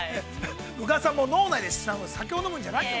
宇賀さんも脳内でお酒を飲むんじゃないよ。